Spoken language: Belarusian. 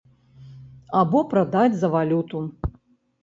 Або прадаць за валюту.